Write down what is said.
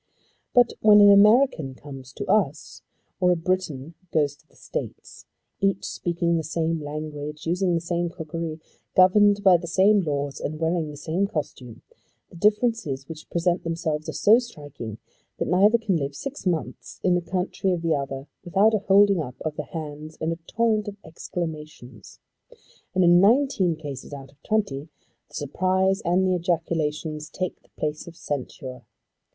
But when an American comes to us or a Briton goes to the States, each speaking the same language, using the same cookery, governed by the same laws, and wearing the same costume, the differences which present themselves are so striking that neither can live six months in the country of the other without a holding up of the hands and a torrent of exclamations. And in nineteen cases out of twenty the surprise and the ejaculations take the place of censure.